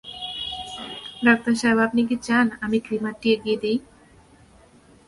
Doctor সাহেব আপনি কি চান আমি ক্রিমারটি এগিয়ে দিই?